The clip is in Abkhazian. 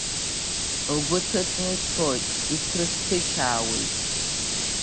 Лгәы ҭыҵны ицоит, иҭрыхьҭышьаауеит.